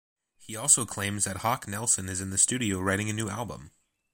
He also claims that Hawk Nelson is in the studio writing a new album.